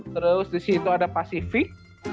terus disitu ada pacific